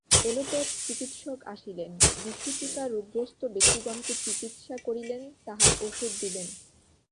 Allopath চিকিৎসক আসিলেন, বিসূচিকা-রোগগ্রস্ত ব্যক্তিগণকে চিকিৎসা করিলেন, তাঁহার ঔষধ দিলেন।